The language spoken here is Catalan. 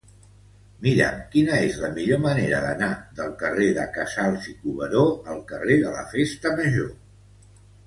Mira'm quina és la millor manera d'anar del carrer de Casals i Cuberó al carrer de la Festa Major.